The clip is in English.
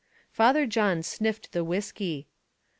Father John sniffed the whiskey.